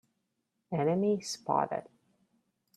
Enemy spotted!